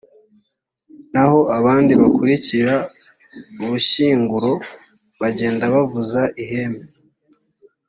naho abandi bakurikira ubushyinguro; bagenda bavuza ihembe.